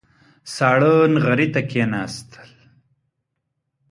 ساړه نغري ته کېناستل.